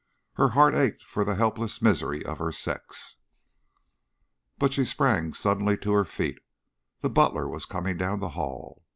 Her heart ached for the helpless misery of her sex. But she sprang suddenly to her feet. The butler was coming down the hall.